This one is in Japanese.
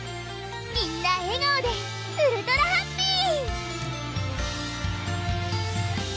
みんな笑顔でウルトラハッピー！